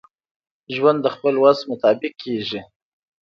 ژوند دخپل وس مطابق کیږي.